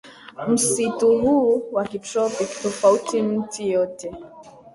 msitu huu wa kitropiki tofauti miti yote